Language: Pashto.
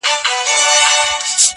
زه هم دعاوي هر ماښام كومه.